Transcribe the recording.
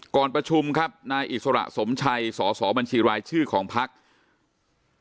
ก่อนประชุมครับนายอิสระสมชัยสสบัญชีรายชื่อของภักดิ์